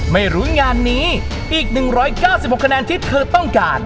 ไม่รู้งานนี้อีก๑๙๖คะแนนที่เธอต้องการ